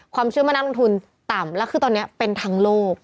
เชื่อว่านักลงทุนต่ำแล้วคือตอนนี้เป็นทั้งโลก